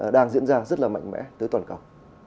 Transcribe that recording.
đang diễn ra rất là mạnh mẽ tới toàn cầu